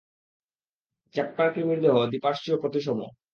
Chapter কৃমির দেহ দ্বিপার্শ্বীয় প্রতিসম।